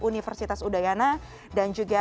universitas udayana dan juga